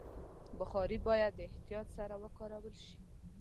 بخاري باید د احتیاط سره وکارول شي.